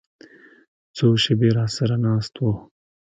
څو شېبې راسره ناست و.